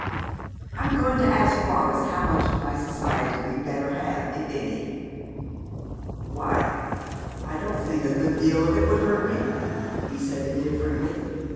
I'm going to ask Wallis how much of my society you'd better have, if any." "Why, I don't think a good deal of it would hurt me," he said indifferently.